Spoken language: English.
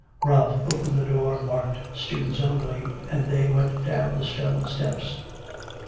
Ralph opened the door marked students only, and they went down the stone steps.